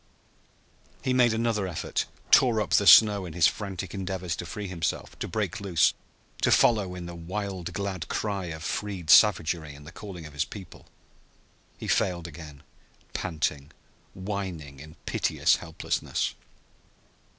He made another effort, tore up the snow in his frantic endeavors to free himself, to break loose, to follow in the wild glad cry of freed savagery in the calling of his people. He failed again, panting, whining in piteous helplessness.